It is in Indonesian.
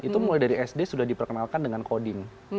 itu mulai dari sd sudah diperkenalkan dengan coding